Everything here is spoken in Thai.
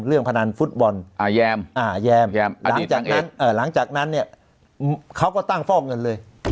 เรื่องพนันฟุตบอลแยมหลังจากนั้นเขาก็ตั้งฟอกเงินเลย